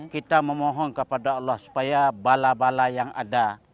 kita memohon kepada allah supaya bala bala yang ada